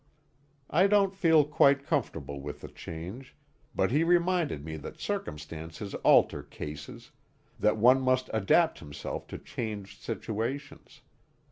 I don't feel quite comfortable with the change, but he reminded me that circumstances alter cases; that one must adapt himself to changed situations.